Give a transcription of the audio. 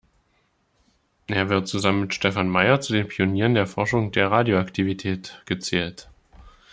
Er wird zusammen mit Stefan Meyer zu den Pionieren der Erforschung der Radioaktivität gezählt.